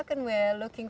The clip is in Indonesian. dan kami menantikan